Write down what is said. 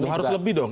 harus lebih dong